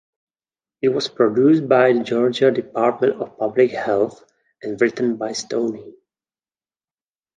It was produced by the Georgia Department of Public Health, and written by Stoney.